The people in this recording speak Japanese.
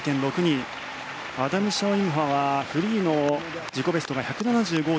アダム・シャオ・イム・ファはフリーの自己ベストが１７５．１５。